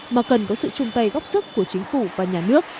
mà cần có sự chung tay góp sức của chính phủ và nhà nước